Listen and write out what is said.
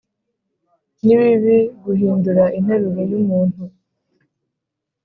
nibibi guhindura interuro yumuntu